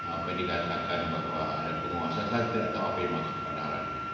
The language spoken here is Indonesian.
apa yang dikatakan bahwa ada penguasa saja atau apa yang masuk ke dahlan